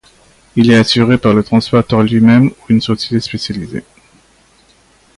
Il est assuré par le transporteur lui-même ou une société spécialisée.